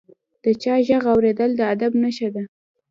د چا ږغ اورېدل د ادب نښه ده.